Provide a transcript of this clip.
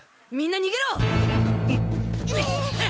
みんな逃げろ！